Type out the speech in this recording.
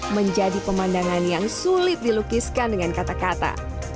menjadi pemandangan yang sulit dilukiskan dengan kata kata